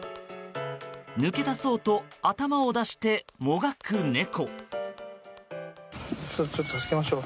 抜け出そうと頭を出してもがく猫。